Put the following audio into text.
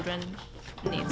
anak anak perlu itu